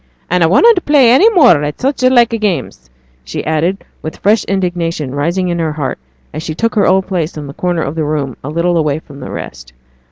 'An' I wunnot play any more at such like games,' she added, with fresh indignation rising in her heart as she took her old place in the corner of the room a little away from the rest.